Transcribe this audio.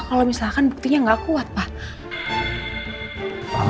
kalo misalkan buktinya gak kuat pak